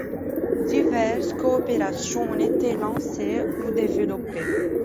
Diverses coopérations ont été lancées ou développées.